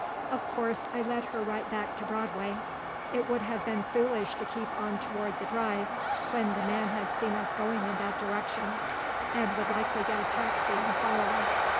Of course, I led her right back to Broadway. It would have been foolish to keep on toward the Drive, when the man had seen us going in that direction, and would likely get a taxi and follow us.